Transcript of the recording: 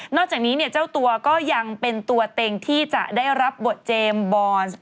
จากนี้เจ้าตัวก็ยังเป็นตัวเต็งที่จะได้รับบทเจมส์บอล